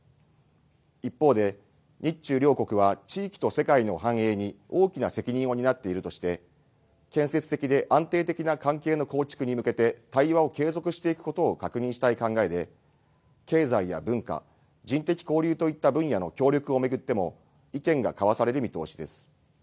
一方で日中両国は地域と世界の繁栄に大きな責任を担っているとして建設的で安定的な関係の構築に向けて対話を継続していくことを確認したい考えで経済や文化、人的交流といった分野の協力を巡っても意見が交わされる見通しです。